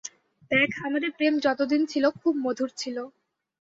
দেখ, আমাদের প্রেম যতদিন ছিল, খুব মধুর ছিল।